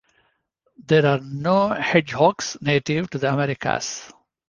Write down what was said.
There are no hedgehogs native to the Americas.